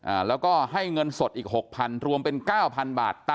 อ่าแล้วก็ให้เงินสดอีก๖๐๐๐รวมเป็น๙๐๐๐บาท